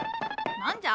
何じゃ？